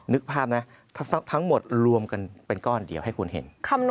นึกภาพนะทั้งหมดรวมกันเป็นก้อนเดียวให้คุณเห็น